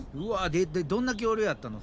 でどんな恐竜やったの？